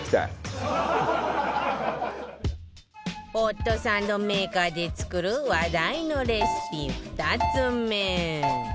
ホットサンドメーカーで作る話題のレシピ２つ目